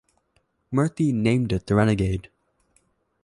Murphy named it the Renegade.